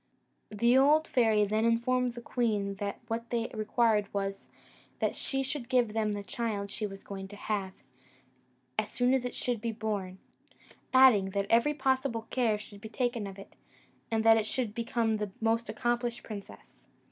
The old fairy then informed the queen that what they required was, that she should give them the child she was going to have, as soon as it should be born; adding, that every possible care should be taken of it, and that it should become the most accomplished princess.